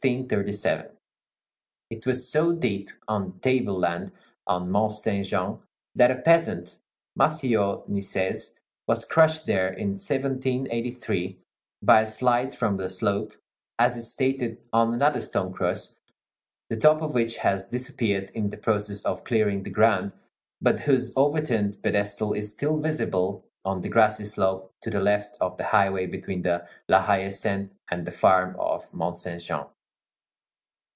8 It was so deep on the table land of Mont Saint Jean that a peasant, Mathieu Nicaise, was crushed there, in 1783, by a slide from the slope, as is stated on another stone cross, the top of which has disappeared in the process of clearing the ground, but whose overturned pedestal is still visible on the grassy slope to the left of the highway between La Haie Sainte and the farm of Mont Saint Jean.